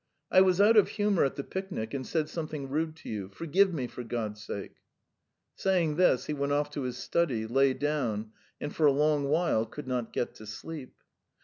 "I was out of humour at the picnic and said something rude to you. Forgive me, for God's sake!" Saying this, he went off to his study, lay down, and for a long while could not get to sleep.